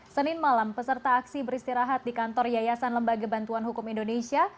senin malam peserta aksi beristirahat di kantor yayasan lembaga bantuan hukum indonesia